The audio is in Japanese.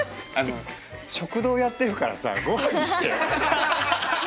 食堂やってるからさご飯にしてよ。